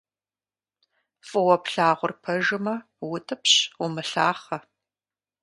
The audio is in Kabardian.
Фӏыуэ плъагъур пэжымэ - утӏыпщ, умылъахъэ.